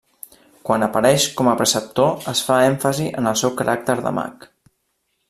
Quan apareix com a preceptor es fa èmfasi en el seu caràcter de mag.